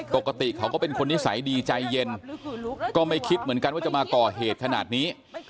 ปกติเขาก็เป็นคนนิสัยดีใจเย็นก็ไม่คิดเหมือนกันว่าจะมาก่อเหตุขนาดนี้